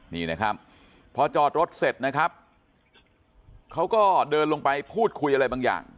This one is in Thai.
นี่นะครับพอจอดรถเสร็จนะครับเขาก็เดินลงไปพูดคุยอะไรบางอย่าง